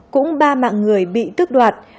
cũng ba mạng người bị tức đoạt